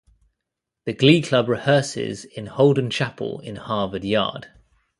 The Glee Club rehearses in Holden Chapel in Harvard Yard.